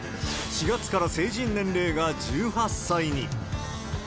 ４月から成人年齢が１８歳に。